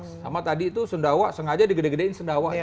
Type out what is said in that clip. sama tadi itu sundawa sengaja digede gedein sendawanya